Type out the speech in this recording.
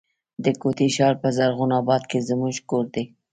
د کوټي ښار په زرغون آباد کي زموږ کور دی.